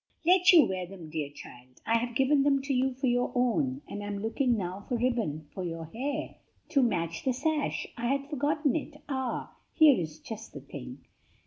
"Let you wear them, dear child! I have given them to you for your own, and am looking now for ribbon for your hair to match the sash. I had forgotten it. Ah, here is just the thing!"